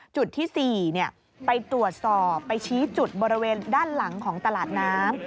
จุดที่๔ไปตรวจสอบไปชี้จุดบริเวณด้านหลังของตลาดน้ำ